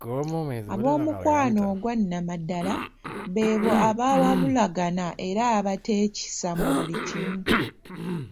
Ab'omukwano ogwannamaddala beebo abawabulagana era abateekisa mu buli kimu.